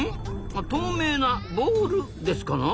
あ透明なボールですかな？